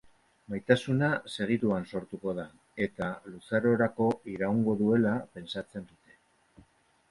Maitasuna segituan sortuko da, eta luzarorako iraungo duela pentsatzen dute.